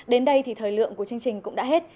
đến đây thì thời lượng của chương trình cũng đã hết